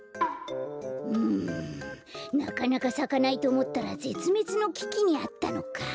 うんなかなかさかないとおもったらぜつめつのききにあったのか。